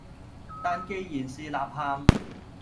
但旣然是吶喊，